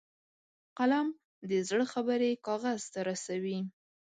قلم د زړه خبرې کاغذ ته رسوي